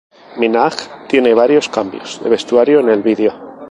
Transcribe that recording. Minaj tiene varios cambios de vestuario en el vídeo.